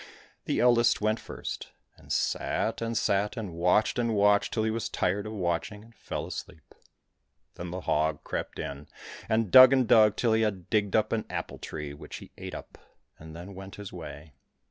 The eldest went first, and sat and sat and watched and watched till he was tired of watching, and fell asleep. Then the hog crept in, and dug and dug till he had digged up an apple tree, which he ate up, and then went his way.